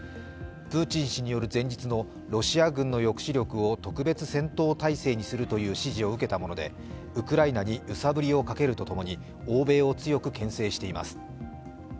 プーチン氏による前日のロシア軍の抑止力を特別戦闘態勢にすると指示を受けたものでウクライナに揺さぶりをかけるとともに欧米を強くけん制しています。